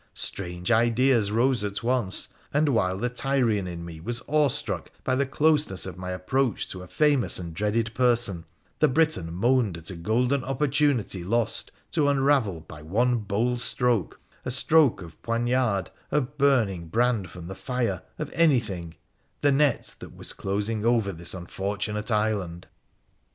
Strange ideas rose at once, and, while the Tyrian in me was awestruck by the closeness of my approach to a famous and dreaded person, the Briton moaned at a golden opportunity lost to unravel, by one bold stroke — a stroke of poignard, of burning brand from the fire, of anything — the net that was closing over this unfortunate island.